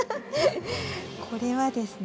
これはですね